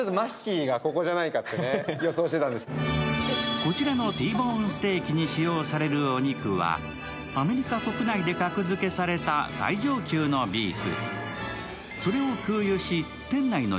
こちらのＴボーン・ステーキに使用されるお肉はアメリカ国内で格付けされた最上級のビーフ。